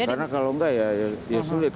karena kalau enggak ya sulit